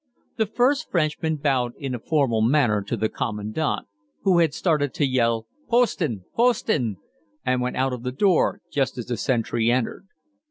The first Frenchman bowed in a formal manner to the Commandant, who had started to yell "Posten, Posten," and went out of the door just as the sentry entered.